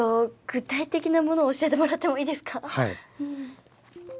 具体的なものを教えてもらってもいいですか？